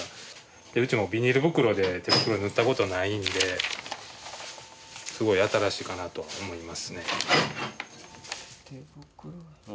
でうちもビニール袋で手袋を縫ったことがないのですごく新しいかなとは思いますね。